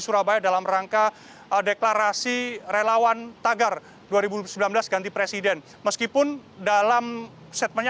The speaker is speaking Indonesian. surabaya dalam rangka deklarasi relawan tagar dua ribu sembilan belas ganti presiden meskipun dalam statementnya